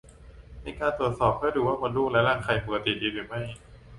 เป็นการตรวจเพื่อดูว่ามดลูกและรังไข่ปกติดีหรือไม่